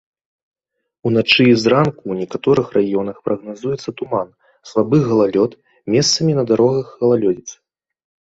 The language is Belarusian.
Уначы і зранку ў некаторых раёнах прагназуецца туман, слабы галалёд, месцамі на дарогах галалёдзіца.